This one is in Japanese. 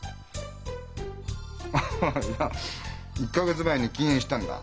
アハハいや１か月前に禁煙したんだ。